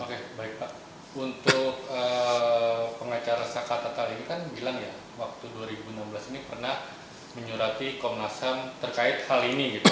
oke baik pak untuk pengacara saka tekal ini kan bilang ya waktu dua ribu enam belas ini pernah menyurati komnas ham terkait hal ini gitu